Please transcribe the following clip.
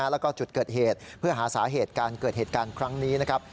แล้วก็จุดเกิดเหตุเพื่อหาสาเหตุการเกิดเหตุการณ์ครั้งนี้นะครับ